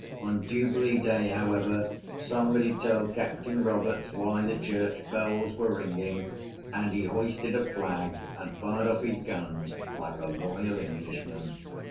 On Jubilee Day, however, somebody told Captain Roberts why the church bells were ringing, and he hoisted a flag and fired off his guns like a loyal Englishman.